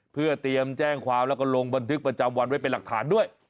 เพื่อเตรียมแจ้งความแล้วก็ลงบันทึกประจำวันไว้เป็นหลักฐานด้วย